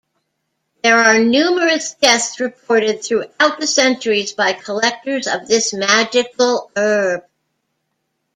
There are numerous deaths reported throughout the centuries by collectors of this magical herb.